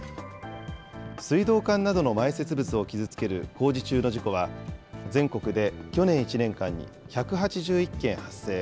水道管などの埋設物を傷つける工事中の事故は、全国で去年１年間に１８１件発生。